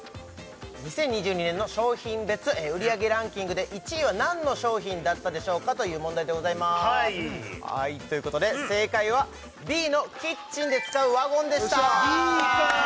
２０２２年の商品別売り上げランキングで１位は何の商品だったでしょうかという問題でございますということで正解はＢのキッチンで使うワゴンでしたＢかあ！